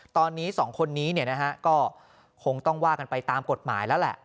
ตอนนี้๒คนนี้ก็คงต้องว่ากันไปตามกฎหมายแล้วแหละ